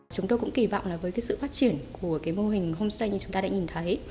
chúng tôi cũng kỳ vọng là với cái sự phát triển của cái mô hình homestay như chúng ta đã nhìn thấy